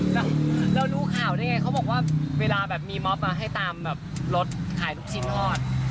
แล้วรู้ข่าวได้ไงเขาบอกว่าเวลามีม็อบมาให้ตามรถขายลูกชิ้นทอด